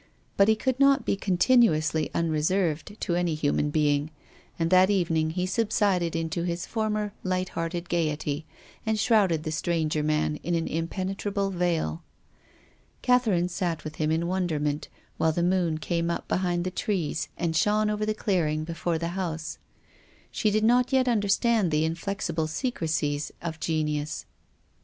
But he could not be contin uously unreserved to any human being. And that evening he subsided into his former light hearted gaiety, and shrouded the stranger man in an impenetrable veil. Catherine sat with him in wonderment, while the moon came up behind the trees and shone over the clearing before the house. She did not yet understand the inflexible secrecies of genius.